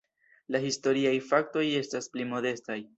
La historiaj faktoj estas pli modestaj.